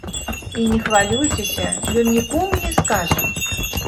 І не хвалюйцеся, ён нікому не скажа.